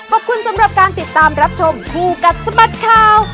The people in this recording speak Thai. ขอบคุณสำหรับการติดตามรับชมคู่กัดสะบัดข่าว